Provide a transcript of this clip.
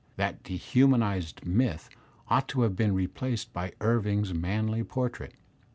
That dehumanized myth ought to have been replaced by Irving's manly portrait.